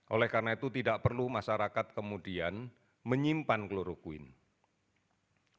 oleh karena itu tidak perlu masyarakat kemudian menyimpan kloroquine